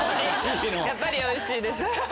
やっぱりおいしいです。